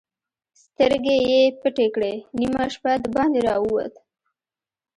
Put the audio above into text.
سترګې يې پټې کړې، نيمه شپه د باندې را ووت.